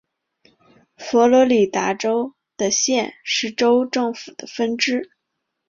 佛罗里达州的县是州政府的分支。